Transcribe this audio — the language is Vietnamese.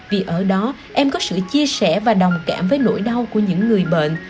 vì ở đó em có sự chia sẻ và đồng cảm với nỗi đau của những người bệnh